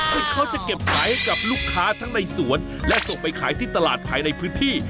ซึ่งเขาจะเก็บขายให้กับลูกค้าทั้งในสวนและส่งไปขายที่ตลาดภายในพื้นที่